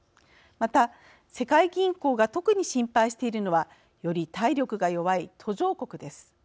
また、世界銀行が特に心配しているのはより体力が弱い途上国です。